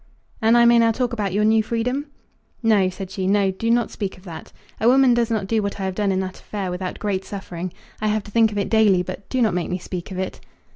"And I may now talk about your new freedom?" "No," said she; "no. Do not speak of that. A woman does not do what I have done in that affair without great suffering. I have to think of it daily; but do not make me speak of it."